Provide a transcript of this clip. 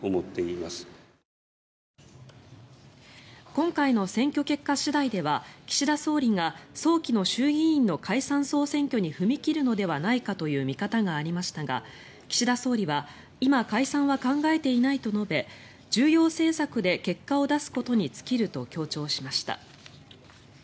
今回の選挙結果次第では岸田総理が早期の衆議院の解散・総選挙に踏み切るのではないかという見方がありましたが岸田総理は今、解散は考えていないと述べ重要政策で結果を出すことに尽きると強調しました。